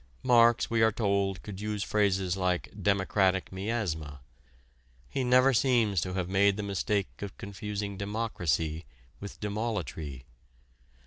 Marx, we are told, could use phrases like "democratic miasma." He never seems to have made the mistake of confusing democracy with demolatry.